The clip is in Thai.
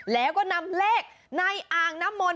แล้วก็นำเลขในอ่างน้ำมนต